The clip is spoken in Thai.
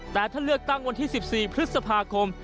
แต่ถ้าเลือกตั้งวันที่๑๔พฤษภาคม